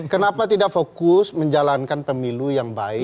kenapa tidak fokus menjalankan pemilu yang baik